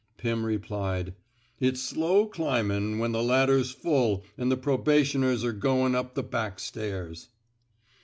Pirn replied: It's slow climbin' when the ladder's full an' the probationers 're goin' up the back stairs."